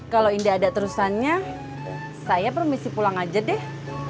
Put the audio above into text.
kalau ini ada terusannya saya permisi pulang aja deh